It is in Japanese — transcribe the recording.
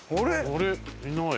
あれ？いない。